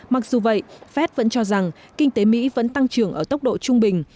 mặc dù vậy fed vẫn cho rằng kinh tế mỹ vẫn tăng trưởng ở tốc độ trung bình